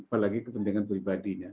apalagi kepentingan pribadinya